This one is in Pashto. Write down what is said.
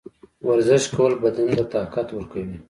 ورزش کول بدن ته طاقت ورکوي.